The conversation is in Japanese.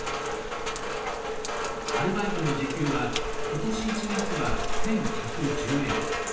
アルバイトの時給は今年１月は、１１１０円。